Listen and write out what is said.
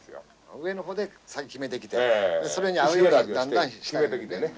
上の方で先決めてきてそれに合うようにだんだん下にね。